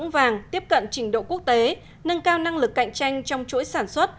vàng tiếp cận trình độ quốc tế nâng cao năng lực cạnh tranh trong chuỗi sản xuất